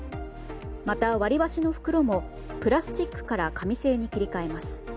また、割り箸の袋もプラスチックから紙製に切り替えます。